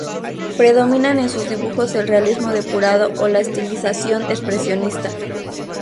Predominan en sus dibujos el realismo depurado o la estilización expresionista.